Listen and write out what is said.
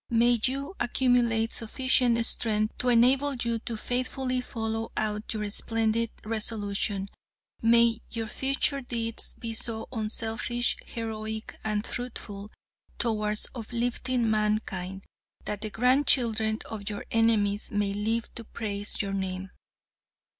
May you accumulate sufficient strength to enable you to faithfully follow out your splendid resolution; may your future deeds be so unselfish, heroic, and fruitful, towards uplifting mankind, that the grandchildren of your enemies may live to praise your name.'